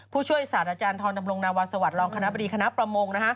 ผู้ช่วยศาสตราจารย์ทรดำรงนาวาสวัสดิรองคณะบดีคณะประมง